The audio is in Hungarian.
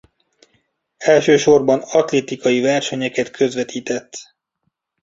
Elsősorban atlétikai versenyeket közvetített.